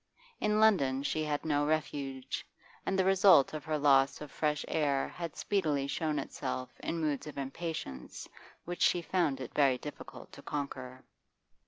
In London she had no refuge, and the result of her loss of fresh air had speedily shown itself in moods of impatience which she found it very difficult to conquer.